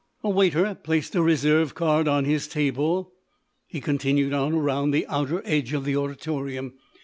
A waiter placed a reserve card on his table; he continued on around the outer edge of the auditorium.